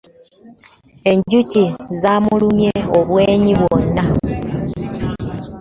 Enjuki zamulumye obwenyi bwonna